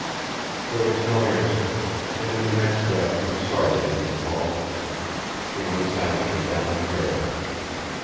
There was no answer, and in the next breath he was sorry that he had called. He went silently down the trail.